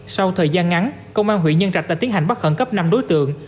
sau thời gian ngắn công an huyện nhân trạch đã tiến hành bắt khẩn cấp năm đối tượng